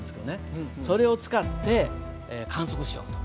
それを使って観測しようと。